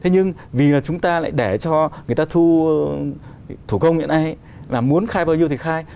nhưng vì chúng ta lại để cho người ta thu công hiện nay là muốn khai bao nhiêu thì khai